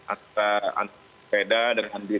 antara sepeda dengan bisnis